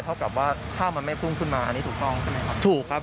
เท่ากับว่าถ้ามันไม่พุ่งขึ้นมาอันนี้ถูกต้องใช่ไหมครับถูกครับ